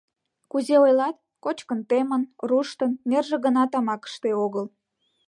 Кузе ойлат: кочкын темын, руштын, нерже гына тамакыште огыл.